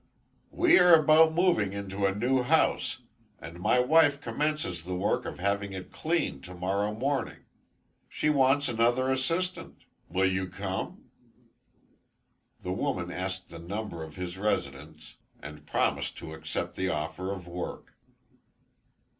"We are about moving into a new house, and my wife commences the work of having it cleaned to morrow morning. She wants another assistant. Will you come?" The woman asked the number of his residence, and promised to accept the offer of work.